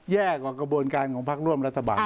แย่กว่ากระบวนการของพักร่วมรัฐบาล